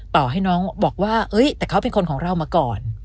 ต่อให้น้องบอกว่าแต่เขาเป็นคนของเรามาก่อน